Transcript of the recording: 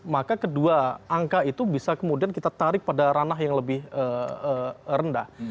maka kedua angka itu bisa kemudian kita tarik pada ranah yang lebih rendah